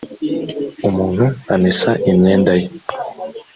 umuntu amesa imyenda ye.